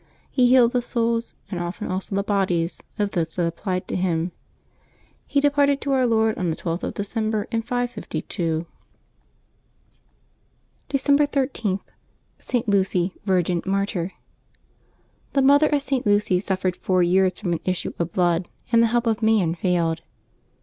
He healed the souls, and often also the bodies, of those that applied to him. He departed to Our Lord on the 12th of December in 552. 378 LIVES OF TEE SAINTS [Decembhb 14 December 13.— ^T. LUCY, Virgin, Martyr. ^^HE mother of St. Lucy suffered four years from an ^/ issue of blood, and the help of man failed.